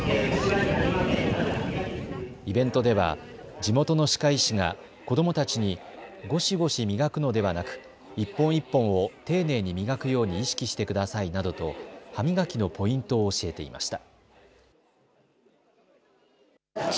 イベントでは地元の歯科医師が子どもたちにごしごし磨くのではなく一本一本を丁寧に磨くように意識してくださいなどと歯磨きのポイントを教えていました。